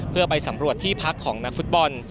เพื่อไปสำรวจที่พักของนักฟุตบอล